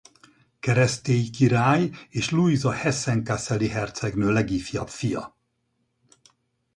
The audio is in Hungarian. Keresztély király és Lujza hessen–kasseli hercegnő legifjabb fia.